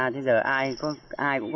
thế giờ ai cũng có vấn đề